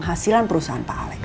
dari penghasilan perusahaan pak alex